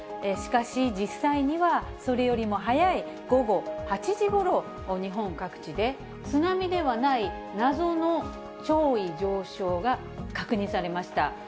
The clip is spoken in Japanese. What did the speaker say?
しかし、実際にはそれよりも早い、午後８時ごろ、日本各地で、津波ではない謎の潮位上昇が確認されました。